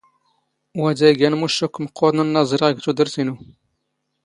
ⵡⴰⴷ ⴰⴷ ⵉⴳⴰⵏ ⴰⵎⵓⵛⵛ ⴰⴽⴽⵯ ⵎⵇⵇⵓⵔⵏ ⵏⵏⴰ ⵥⵕⵉⵖ ⵖ ⵜⵓⴷⵔⵜ ⵉⵏⵓ.